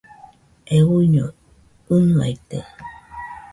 Euiño ɨnɨaite.